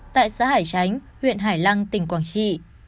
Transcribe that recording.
tại xã hải chánh huyện hải lăng tỉnh quảng trị